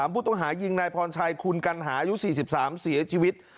ผู้ต้องหายิงนายพรชัยคุณกัณหาอายุ๔๓เสียชีวิต